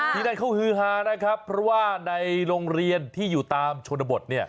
ที่นั่นเขาฮือฮานะครับเพราะว่าในโรงเรียนที่อยู่ตามชนบท